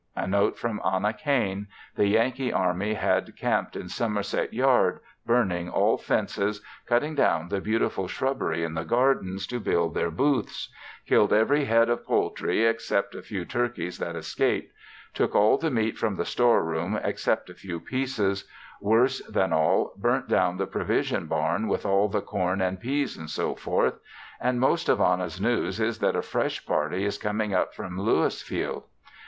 A note from Anna Cain; the Yankee army had camped in Somerset yard, burning all fences, cutting down the beautiful shrubbery in the gardens to build their boothes; killed every head of poultry, except a few turkeys that escaped; took all the meat from the store room except a few pieces; worse than all, burnt down the provision barn with all the corn and peas &c. The most of Anna's news is that a fresh party is coming up from Lewisfield.